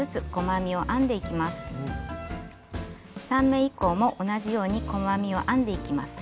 ３目以降も同じように細編みを編んでいきます。